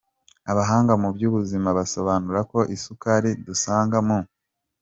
Abahanga mu by’ubuzima basobanura ko isukari dusanga mu